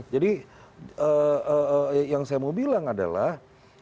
jadi yang saya mau bilang adalah